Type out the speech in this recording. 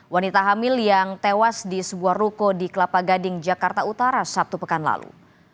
wanita hamil yang tewas di sebuah ruko di kelapa gading jakarta utara sabtu pekan lalu